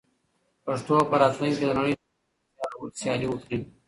پښتو به په راتلونکي کې د نړۍ له ژبو سره سیالي وکړي.